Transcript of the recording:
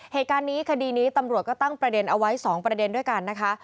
เหตุการณ์นี้คดีนี้ตำรวจก็ตั้งประเด็นเอาไว้๒ประเด็นด้วยกันนะคะ